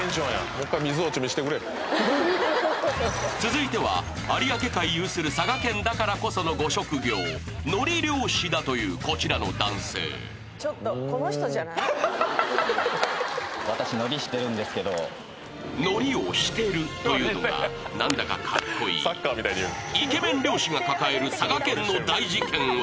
もう一回水落見してくれ続いては有明海有する佐賀県だからこそのご職業海苔漁師だというこちらの男性ちょっと「海苔」を「してる」というのが何だかかっこいいイケメン漁師が抱える佐賀県の大事ケンは？